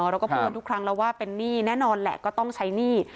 เราก็พูดกันทุกครั้งแล้วว่าเป็นหนี้แน่นอนแหละก็ต้องใช้หนี้